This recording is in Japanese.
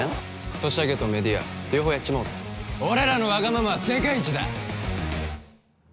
ソシャゲとメディア両方やっちまおうぜ俺らのワガママは世界一だ